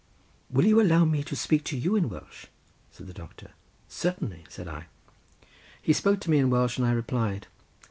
"Will you allow me to speak to you in Welsh?" said the doctor. "Certainly," said I. He spoke to me in Welsh and I replied.